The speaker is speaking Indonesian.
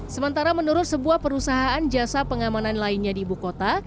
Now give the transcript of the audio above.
sementara menurut sebuah perusahaan jasa pengamanan lainnya di ibu kota